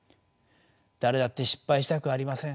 誰だって失敗したくありません。